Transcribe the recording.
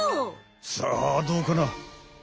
さあどうかな？